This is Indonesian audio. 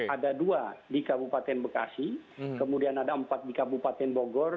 ada dua di kabupaten bekasi kemudian ada empat di kabupaten bogor